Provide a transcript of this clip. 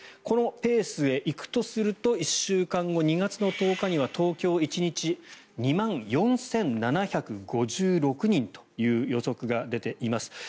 このペースでいくとすると１週間後、２月１０日には東京、１日２万４７５６人という予測が出ています。